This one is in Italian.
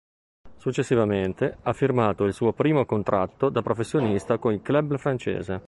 Successivamente, ha firmato il suo primo contratto da professionista con il club francese.